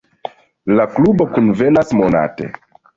La klubo kunvenas monate.